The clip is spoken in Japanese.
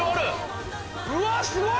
うわすごい！